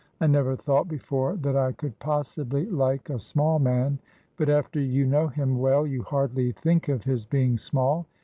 I never thought before that I could possibly like a small man, but after you know him well you hardly think of his being small.